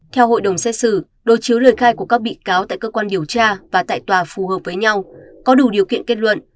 theo hội đồng xét xử đối chiếu lời khai của các bị cáo tại cơ quan điều tra và tại tòa phù hợp với nhau có đủ điều kiện kết luận